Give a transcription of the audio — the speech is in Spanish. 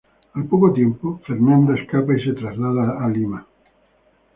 Al poco tiempo, Fernanda escapa y se traslada a Lima.